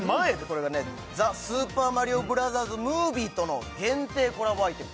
これがね「ザ・スーパーマリオブラザーズ・ムービー」との限定コラボアイテム